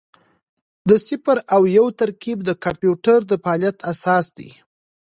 د صفر او یو ترکیب د کمپیوټر د فعالیت اساس دی.